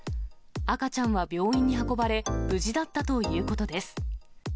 赤ちゃんは病院に運ばれ、無事だったということです。